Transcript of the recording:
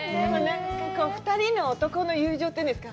２人の男の友情というんですか。